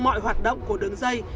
mọi hoạt động của đường dây